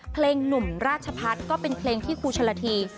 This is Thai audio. เพลงหนุ่มราชพัฒน์ก็เป็นเพลงที่ครูชนละที